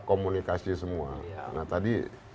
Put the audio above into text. komunikasi semua nah tadi